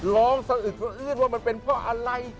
สะอึกสะอื้นว่ามันเป็นเพราะอะไร